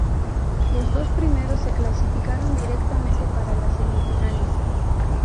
Los dos primeros se clasificaron directamente para las semifinales.